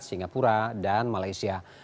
singapura dan malaysia